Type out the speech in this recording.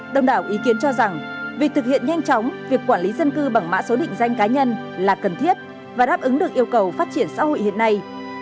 đồng đảo ý kiến cho rằng việc thực hiện nhanh chóng việc quản lý dân cư bằng mã số định danh cá nhân là cần thiết và đáp ứng được yêu cầu phát triển xã hội hiện nay